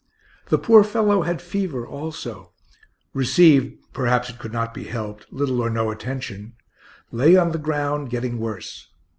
The poor fellow had fever also; received (perhaps it could not be helped) little or no attention; lay on the ground, getting worse.